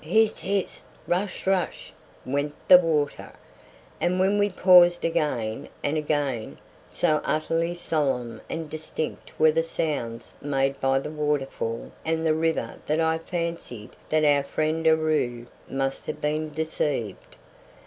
Hiss hiss, rush rush went the water, and when we paused again and again, so utterly solemn and distinct were the sounds made by the waterfall and the river that I fancied that our friend Aroo must have been deceived.